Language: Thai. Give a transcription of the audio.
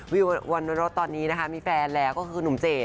วรรณรสตอนนี้นะคะมีแฟนแล้วก็คือหนุ่มเจด